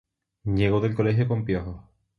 Llegó del colegio con piojos.